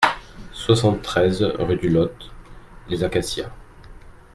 soixante-treize rue du Lot Les Acacias